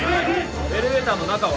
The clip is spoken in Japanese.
エレベーターの中は？